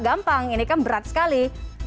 gampang ini kan berat sekali